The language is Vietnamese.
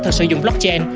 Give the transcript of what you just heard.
thực sự dùng blockchain